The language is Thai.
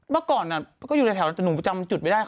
เมื่อก่อนก็อยู่ในแถวแต่หนูประจำจุดไม่ได้